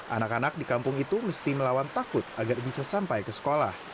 anak anak di kampung itu mesti melawan takut agar bisa sampai ke sekolah